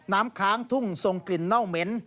ค้างทุ่งทรงกลิ่นเน่าเหม็น